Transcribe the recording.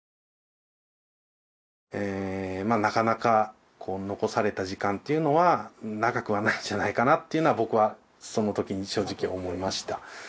ええまあなかなか残された時間というのは長くはないんじゃないかなっていうのは僕はその時に正直思いました。